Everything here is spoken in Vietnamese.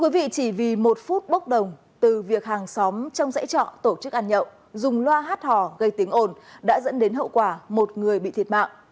chỉ vì một phút bốc đồng từ việc hàng xóm trong dãy trọ tổ chức ăn nhậu dùng loa hát hò gây tiếng ồn đã dẫn đến hậu quả một người bị thiệt mạng